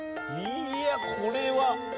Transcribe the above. いやこれは。